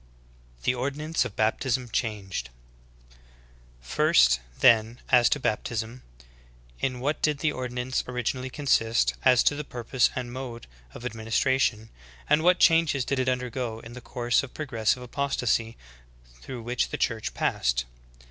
THE ORDINANCE OF BAPTISM CHANGED. 9. First, then, as to baptism, — in what did the ordi nance originally consist, as to purpose and mode of admin istration, and what changes did it undergo in the course of progressive apostasy through which the Church passed?